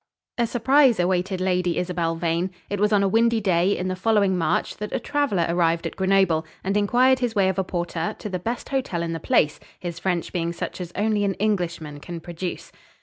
A surprise awaited Lady Isabel Vane. It was on a windy day in the following March that a traveller arrived at Grenoble, and inquired his way of a porter, to the best hotel in the place, his French being such as only an Englishman can produce.